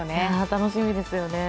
楽しみですよね